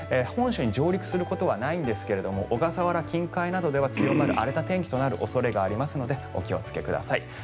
本州に上陸することはないんですが小笠原近海などでは強まり荒れた天気となる恐れがありますのでお気をつけください。